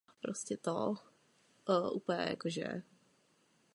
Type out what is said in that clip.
Web obsahuje i hodnocení kvality jednotlivých škol a vyučujících na volné noze.